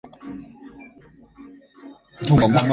El hocico es moderadamente alargado.